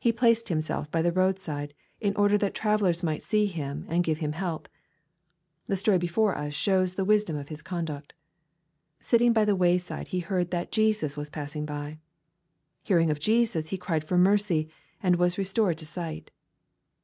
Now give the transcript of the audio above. He placed himself by the road side, in order that travellers might see him and give him help. The story before us shows the wisdom of his conduct. Sitting by the wayside, he heard that " Jesus was passing by." Hearing of Jesus he cried for mercy, and was restored to sight.